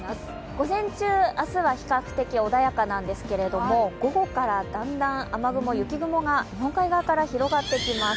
午前中、明日は比較的穏やかなんですけれども、午後からだんだん雨雲、雪雲が日本海側から広がっていきます。